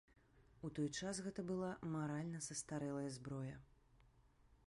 У той час гэта была маральна састарэлая зброя.